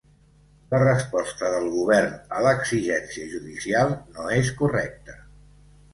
La resposta del govern a l’exigència judicial no és correcta.